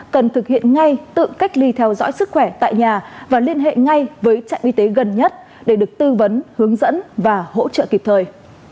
cần thực hiện ngay tự cách ly theo dõi sức khỏe tại nhà và liên hệ ngay với trạm y tế gần nhất để được tư vấn hướng dẫn và hỗ trợ kịp thời